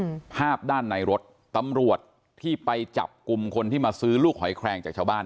อืมภาพด้านในรถตำรวจที่ไปจับกลุ่มคนที่มาซื้อลูกหอยแคลงจากชาวบ้าน